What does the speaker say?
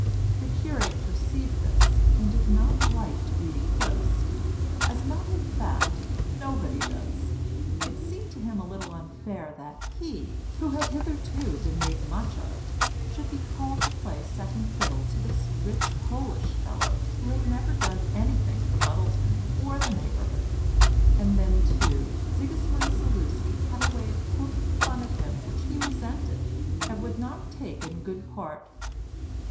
The curate perceived this and did not like to be eclipsed as a matter of fact, nobody does. It seemed to him a little unfair that he, who had hitherto been made much of, should be called to play second fiddle to this rich Polish fellow who had never done anything for Muddleton or the neighbourhood. And then, too, Sigismund Zaluski had a way of poking fun at him which he resented, and would not take in good part.